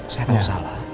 saya tahu salah